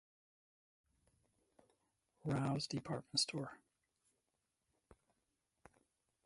Rowse department store.